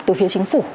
từ phía chính phủ